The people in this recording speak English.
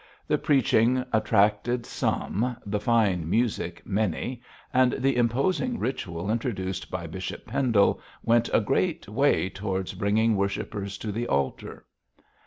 The preaching attracted some, the fine music many, and the imposing ritual introduced by Bishop Pendle went a great way towards bringing worshippers to the altar.